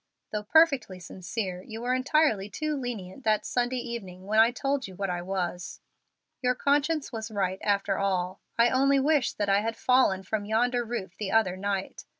Though perfectly sincere, you were entirely too lenient that Sunday evening when I told you what I was. My conscience was right after all. I only wish that I had fallen from yonder roof the other night.